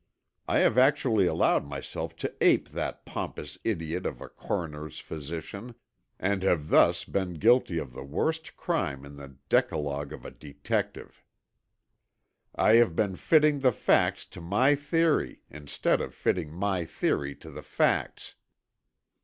I have actually allowed myself to ape that pompous idiot of a coroner's physician, and have thus been guilty of the worst crime in the decalogue of a detective. I have been fitting the facts to my theory instead of fitting my theory to the facts!"